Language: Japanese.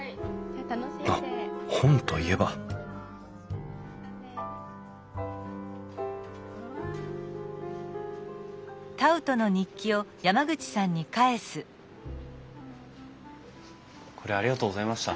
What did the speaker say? あっ本といえばこれありがとうございました。